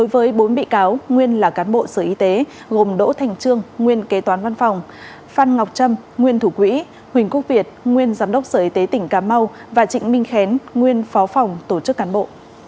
với bốn bị cáo nguyên là cán bộ sở y tế gồm đỗ thành trương nguyên kế toán văn phòng phan ngọc trâm nguyên thủ quỹ huỳnh quốc việt nguyên giám đốc sở y tế tỉnh cà mau và trịnh minh khén nguyên phó phòng tổ chức cán bộ